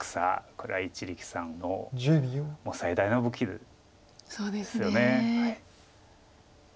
これは一力さんの最大の武器ですよね。